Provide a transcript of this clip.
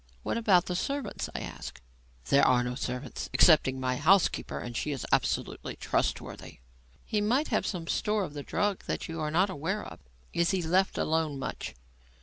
"What about the servants?" I asked. "There are no servants excepting my housekeeper, and she is absolutely trustworthy." "He might have some store of the drug that you are not aware of. Is he left alone much?"